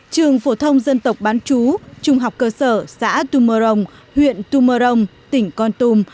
trường phổ thông dân tộc bán trú trung học cơ sở xã tumorong huyện tumorong tỉnh con tum